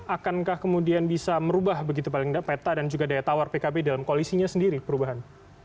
akankah kemudian bisa merubah begitu paling tidak peta dan juga daya tawar pkb dalam koalisinya sendiri perubahan